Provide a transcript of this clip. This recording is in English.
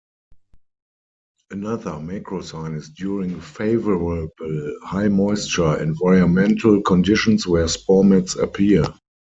Another macro sign is during favorable high moisture environmental conditions where spore mats appear.